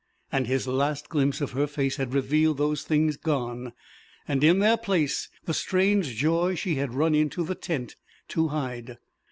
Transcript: And his last glimpse of her face had revealed those things gone, and in their place the strange joy she had run into the tent to hide.